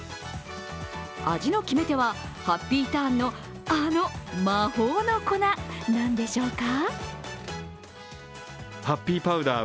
味の決め手はハッピーターンの、あの魔法の粉なんでしょうか。